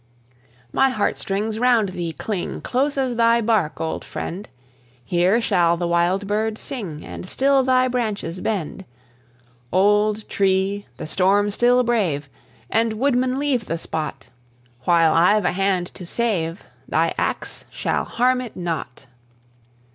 My heart strings round thee cling, Close as thy bark, old friend! Here shall the wild bird sing, And still thy branches bend. Old tree! the storm still brave! And, woodman, leave the spot; While I've a hand to save, Thy ax shall harm it not.